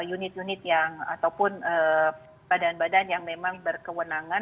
unit unit yang ataupun badan badan yang memang berkewenangan